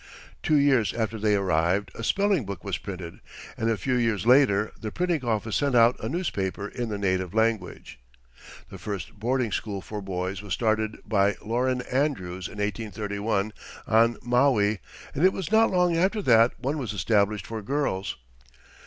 Two years after they arrived a spelling book was printed, and a few years later the printing office sent out a newspaper in the native language. The first boarding school for boys was started by Lorrin Andrews in 1831, on Maui, and it was not long after that one was established for girls.